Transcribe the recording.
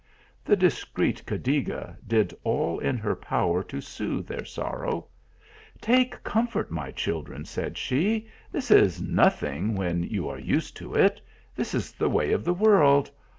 The discreet Cadiga did all in her power to sooth their sorrow. " Take comfort, my children," said she ;" this is nothing when you are used to it. This is the way of the world.